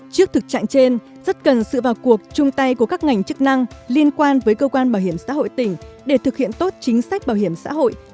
trước thực trạng trên rất cần sự vào cuộc chung tay của các ngành chức năng liên quan với cơ quan bảo hiểm xã hội tỉnh để thực hiện tốt chính sách bảo hiểm xã hội